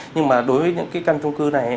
nhưng mà đối với những cái căn trung cư này